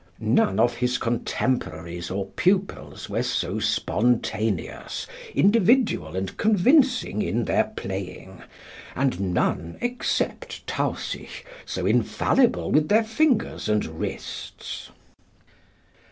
"None of his contemporaries or pupils were so spontaneous, individual and convincing in their playing; and none except Tausig so infallible with their fingers and wrists."